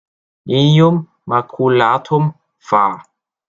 Lilium maculatum var.